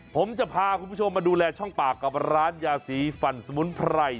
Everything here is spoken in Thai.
ผมจะพาคุณผู้ชมมาดูแลช่องปากกับร้านยาสีฟันสมุนไพร